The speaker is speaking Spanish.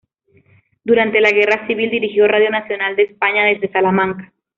Durante la Guerra Civil dirigió Radio Nacional de España desde Salamanca.